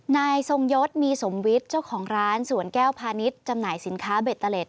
นายทรงยศมีสมวิทย์เจ้าของร้านสวนแก้วพาณิชย์จำหน่ายสินค้าเบตเตอร์เล็ต